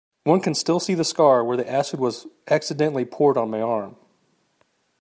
One can still see the scar where the acid was accidentally poured on my arm.